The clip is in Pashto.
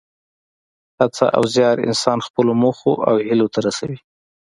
هڅه او زیار انسان خپلو موخو او هیلو ته رسوي.